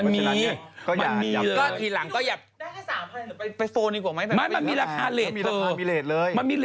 มันมี